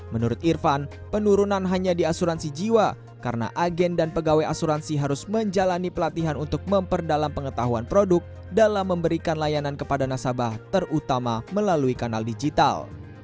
menurut irfan penurunan hanya di asuransi jiwa karena agen dan pegawai asuransi harus menjalani pelatihan untuk memperdalam pengetahuan produk dalam memberikan layanan kepada nasabah terutama melalui kanal digital